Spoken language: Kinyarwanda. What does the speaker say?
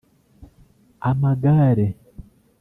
Amagare